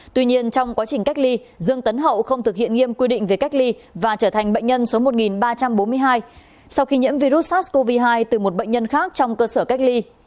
tuy nhiên trong quá trình cách ly dương tấn hậu không thực hiện nghiêm quy định về cách ly và trở thành bệnh nhân số một ba trăm bốn mươi hai sau khi nhiễm virus sars cov hai từ một bệnh nhân khác trong cơ sở cách ly